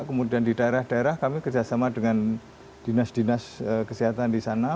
kemudian di daerah daerah kami kerjasama dengan dinas dinas kesehatan di sana